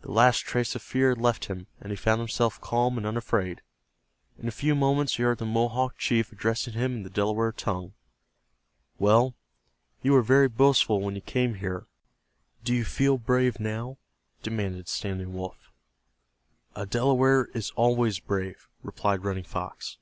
The last trace of fear had left him, and he found himself calm and unafraid. In a few moments he heard the Mohawk chief addressing him in the Delaware tongue. "Well, you were very boastful when you came here; do you feel brave now?" demanded Standing Wolf. "A Delaware is always brave," replied Running Fox.